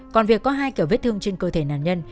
còn việc có hai kiểu vết thương trên cơ thể nạn nhân